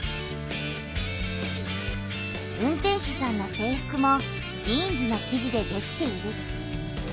運転手さんの制服もジーンズの生地でできている。